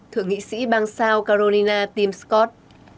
thượng nghị sĩ bang south carolina tim scott